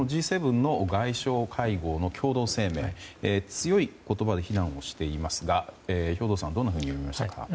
Ｇ７の外相会合の共同声明では強い言葉で非難をしていますが兵頭さんどんなふうに見ましたか。